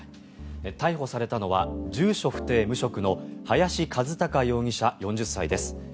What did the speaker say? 逮捕されたのは住所不定・無職の林一貴容疑者、４０歳です。